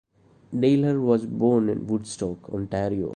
Naylor was born in Woodstock, Ontario.